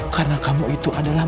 karena kamu itu adalah